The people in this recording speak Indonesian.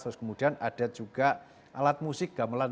terus kemudian ada juga alat musik gamelan